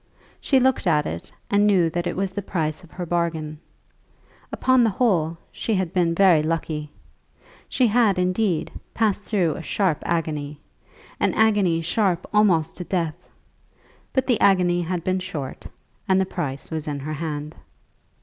She looked at it, and knew that it was the price of her bargain. Upon the whole she had been very lucky. She had, indeed, passed through a sharp agony, an agony sharp almost to death; but the agony had been short, and the price was in her hand.